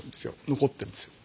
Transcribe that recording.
残ってるんです。